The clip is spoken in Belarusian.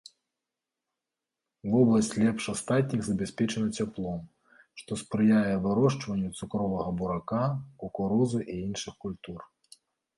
Вобласць лепш астатніх забяспечана цяплом, што спрыяе вырошчванню цукровага бурака, кукурузы і іншых культур.